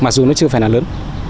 mặc dù nó chưa phải là lớn